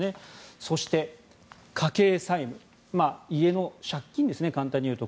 そして、家計債務家の借金ですね、簡単に言うと。